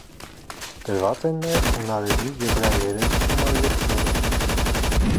Տրված են նաև հունարենի եբրայերեն համարժեքները։